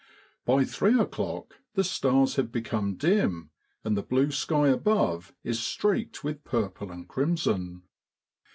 By three o'clock the stars have become dim, and the blue sky abovehead is streaked with purple and crimson.